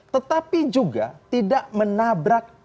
tetapi juga tidak menabrak